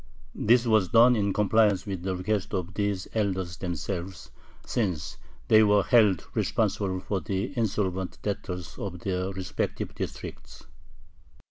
This was done in compliance with the request of these elders themselves, since they were held responsible for the insolvent debtors of their respective districts.